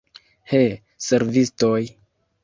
He, servistoj!